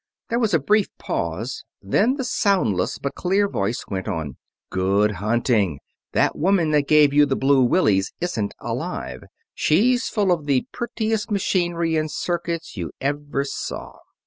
There was a brief pause, then the soundless, but clear voice went on: "Good hunting! That woman that gave you the blue willies isn't alive she's full of the prettiest machinery and circuits you ever saw!"